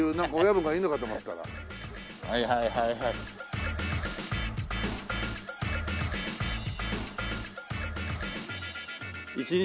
はいはいはいはい。